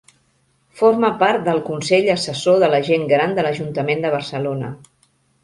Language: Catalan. Forma part del Consell Assessor de la Gent Gran de l'Ajuntament de Barcelona.